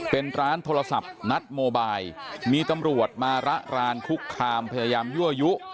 เป็นร้านโทรศัพท์นัดโมบายมีตำรวจมาระรานคุกคามพยายามยั่วยุ